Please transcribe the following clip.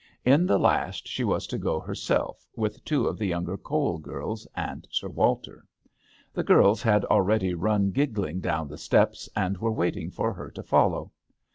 In the last she was to go herself, with two of the younger Cowell girls and Sir Walter. The girls had already run giggling down the steps, and were waiting for her to follow.